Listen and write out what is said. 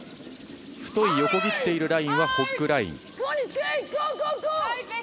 太い横切っているラインはホッグライン。